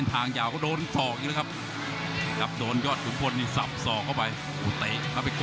นี่ไงมาแล้วนี่ไง๓ดอกเลย